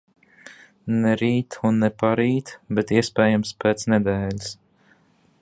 Ne rīt un ne parīt, bet, iespējams, pēc nedēļas.